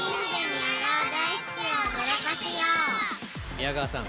宮川さん！